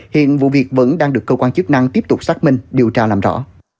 hiện vụ việc vẫn đang được cơ quan chức năng tiếp tục xác minh điều tra làm rõ